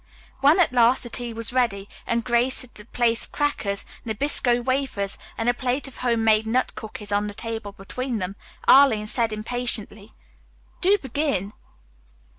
When at last the tea was ready, and Grace had placed crackers, nabisco wafers and a plate of home made nut cookies on the table between them, Arline said impatiently, "Do begin."